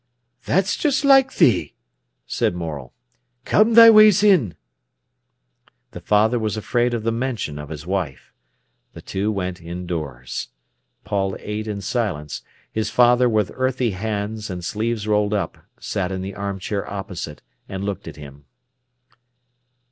"That's just like thee," said Morel. "Come thy ways in." The father was afraid of the mention of his wife. The two went indoors. Paul ate in silence; his father, with earthy hands, and sleeves rolled up, sat in the arm chair opposite and looked at him.